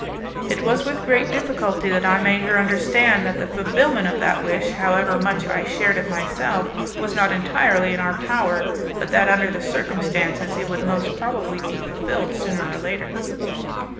It was with great difficulty that I made her understand that the fulfilment of that wish, however much I shared it myself, was not entirely in our power; but that, under the circumstances, it would most probably be fulfilled sooner or later.